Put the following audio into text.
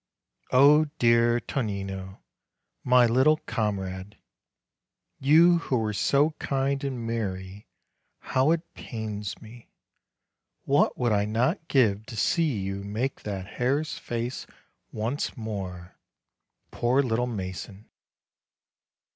O dear Tonino, my little comrade ! you who were so kind and merry, how it pains me! what would I not give to see you make the hare's face once more, poor little mason